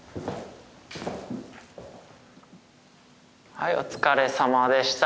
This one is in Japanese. はいお疲れさまでした。